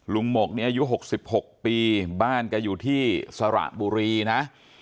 หมกนี้อายุ๖๖ปีบ้านแกอยู่ที่สระบุรีนะ